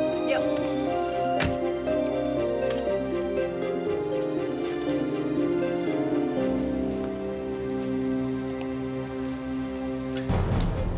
jadi itu telah sulit tersatu